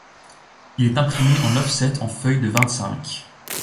Il est imprimé en offset en feuille de vingt-cinq.